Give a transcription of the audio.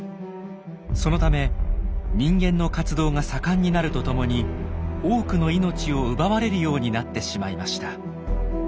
そのため人間の活動が盛んになるとともに多くの命を奪われるようになってしまいました。